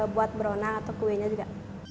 buat bronang atau kuenya juga